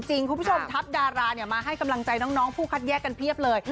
คุณผู้ชมทัพดารามาให้กำลังใจน้องผู้คัดแยกกันเพียบเลย